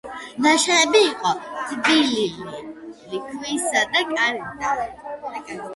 ნაშენები იყო თლილი ქვისა და კირისგან.